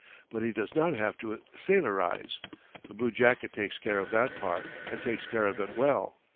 But he does not have to sailorize; the bluejacket takes care of that part, and takes care of it well.